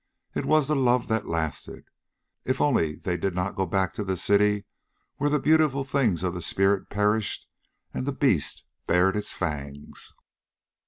It was the love that lasted if only they did not go back to the city where the beautiful things of the spirit perished and the beast bared its fangs.